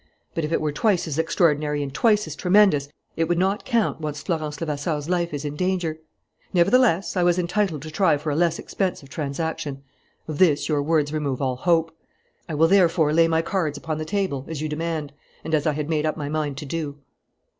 But if it were twice as extraordinary and twice as tremendous, it would not count once Florence Levasseur's life is in danger. Nevertheless, I was entitled to try for a less expensive transaction. Of this your words remove all hope. I will therefore lay my cards upon the table, as you demand, and as I had made up my mind to do."